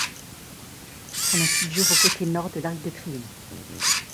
Son nom figure au côté nord de l'Arc de triomphe.